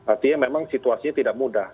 artinya memang situasinya tidak mudah